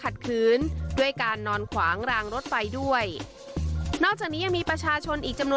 เท่านั้นมีแค่๑คน